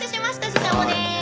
ししゃもです。